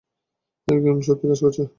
এই গেম সত্যিই কাজ করছে।